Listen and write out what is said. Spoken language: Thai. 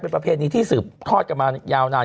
เป็นประเพณีที่สืบทอดกันมายาวนาน